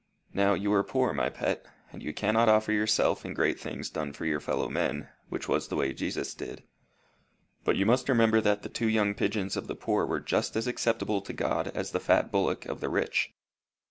Now, you are poor, my pet, and you cannot offer yourself in great things done for your fellow men, which was the way Jesus did. But you must remember that the two young pigeons of the poor were just as acceptable to God as the fat bullock of the rich.